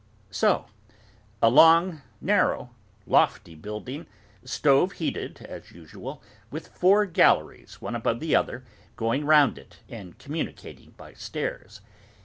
So. A long, narrow, lofty building, stove heated as usual, with four galleries, one above the other, going round it, and communicating by stairs.